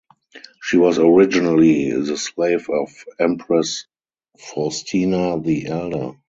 She was originally the slave of Empress Faustina the Elder.